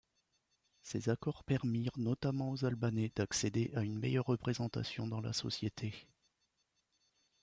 Ces accords permirent notamment aux Albanais d'accéder à une meilleure représentation dans la société.